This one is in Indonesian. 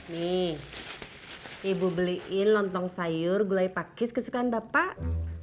nih ibu beliin lontong sayur gulai pakis kesukaan bapak